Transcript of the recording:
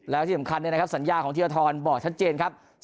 แล้วที่สำคัญเนี่ยนะครับสัญญาของเทียร์ธรรมบอกชัดเจนครับ